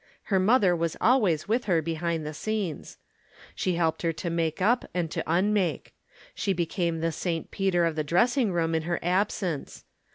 Her mother was always with her behind the scenes. She helped her to make up and to unmake. She became the St. Peter of the dressing room in her absence.